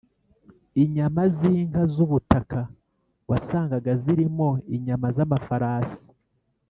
inyama zinka zubutaka wasangaga zirimo inyama zamafarasi.